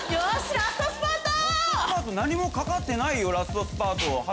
ラストスパート何もかかってないよラストスパートは。